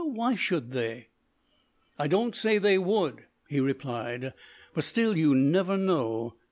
Why should they?" "I don't say they would," he replied; "but still you never know.